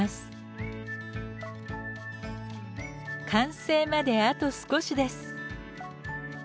完成まであと少しです。